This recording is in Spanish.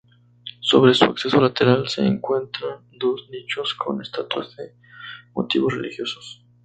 Sobre su acceso lateral se encuentran dos nichos con estatuas de motivos religiosos.